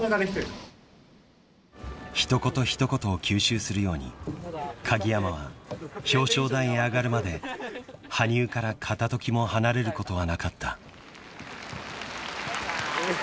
［一言一言を吸収するように鍵山は表彰台へ上がるまで羽生から片時も離れることはなかった］